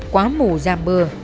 quá mù giảm mưa